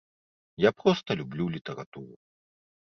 Я проста люблю літаратуру.